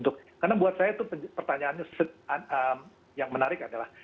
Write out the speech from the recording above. karena buat saya itu pertanyaannya yang menarik adalah